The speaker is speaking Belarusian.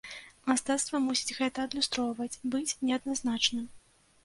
Мастацтва мусіць гэта адлюстроўваць, быць неадназначным.